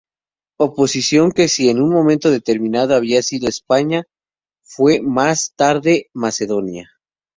Oposición que si en un momento determinado había sido Esparta, fue más tarde Macedonia.